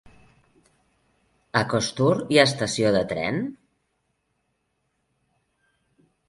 A Costur hi ha estació de tren?